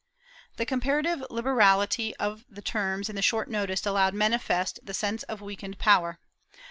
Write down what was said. The comparative liberality of the terms and the short notice allowed manifest the sense of weakened power.